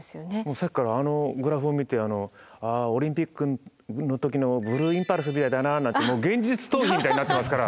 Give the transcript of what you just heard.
さっきからあのグラフを見てああオリンピックの時のブルーインパルスみたいだななんて現実逃避みたいになってますから。